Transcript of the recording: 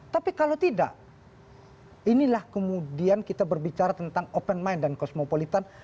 tapi kalau tidak inilah kemudian kita berbicara tentang open mind dan kosmopolitan